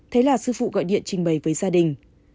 thế là sư phụ gọi điện trình bày với gia đình